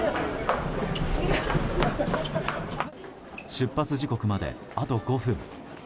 出発時刻まであと５分。